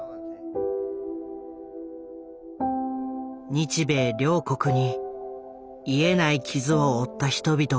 日米両国に癒えない傷を負った人々がいる。